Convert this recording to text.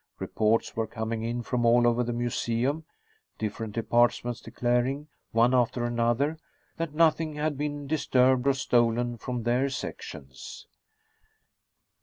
Reports were coming in from all over the museum, different departments declaring, one after another, that nothing had been disturbed or stolen from their sections.